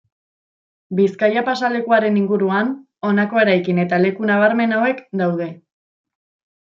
Bizkaia pasealekuaren inguruan honako eraikin eta leku nabarmen hauek daude.